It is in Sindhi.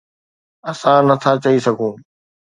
اسان نٿا چئي سگهون.